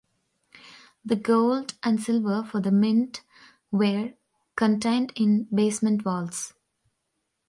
The gold and silver for the mint were contained in basement vaults.